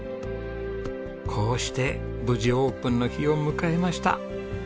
こうして無事オープンの日を迎えました。